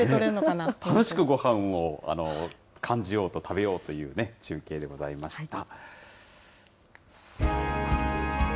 楽しくごはんを感じようと、食べようというね、中継でございました。